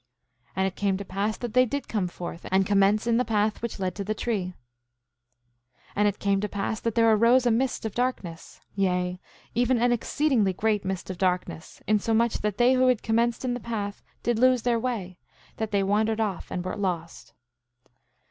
8:22 And it came to pass that they did come forth, and commence in the path which led to the tree. 8:23 And it came to pass that there arose a mist of darkness; yea, even an exceedingly great mist of darkness, insomuch that they who had commenced in the path did lose their way, that they wandered off and were lost.